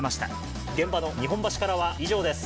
現場の日本橋からは以上です。